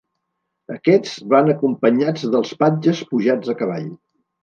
Aquests van acompanyats dels patges pujats a cavall.